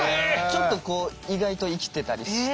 ちょっとこう意外と生きてたりして。